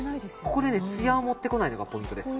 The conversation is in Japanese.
ここでツヤを持ってこないのがポイントです。